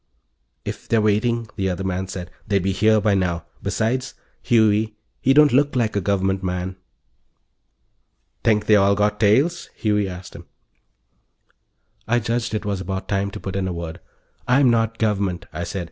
"If they're waiting," the other man said, "they'd be here by now. Besides, Huey, he don't look like a Government man." "Think they all got tails?" Huey asked him. I judged it was about time to put in a word. "I'm not Government," I said.